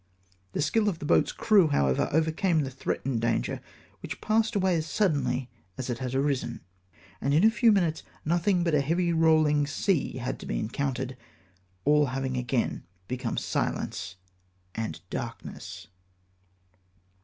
The skill of the boat's crew, however, overcame the threatened danger, which passed away as suddenly as it had arisen, and in a few minutes nothing but a heavy roUing sea had to be encountered, all having again become silence and darkness.